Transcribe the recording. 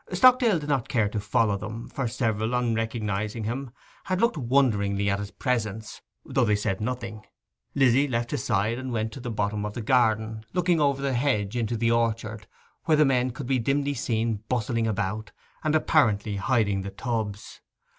Stockdale did not care to follow them, for several on recognizing him had looked wonderingly at his presence, though they said nothing. Lizzy left his side and went to the bottom of the garden, looking over the hedge into the orchard, where the men could be dimly seen bustling about, and apparently hiding the tubs.